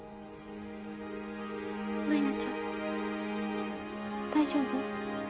舞菜ちゃん大丈夫？